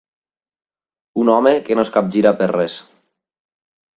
Un home que no es capgira per res.